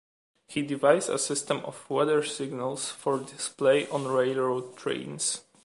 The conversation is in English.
He devised a system of weather signals for display on railroad trains.